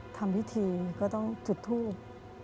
ทำพิธีก็ต้องจุดทูบ